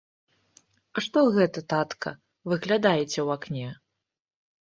А што гэта, татка, выглядаеце ў акне?